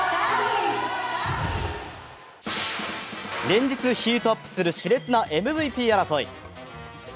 連日ヒートアップする、し烈なＭＶＰ争い。